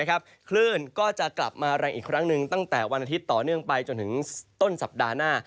คลื่นก็จะกลับมาแรงอีกครั้งหนึ่งตั้งแต่วันอาทิตย์ต่อเนื่องไปจนถึงต้นสัปดาห์หน้า